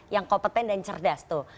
yang kompeten dan cerdas tuh